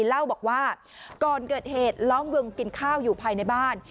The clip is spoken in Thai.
เล่าบอกว่าก่อนเกิดเหตุล้อมวงกินข้าวอยู่ภายในบ้าน